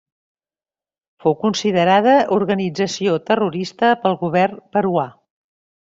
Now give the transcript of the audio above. Fou considerada organització terrorista pel Govern peruà.